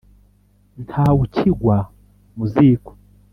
ntawukigwa mu ziko